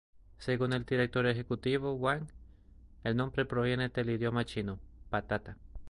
Según el director ejecutivo Wang, el nombre proviene del idioma chino "patata".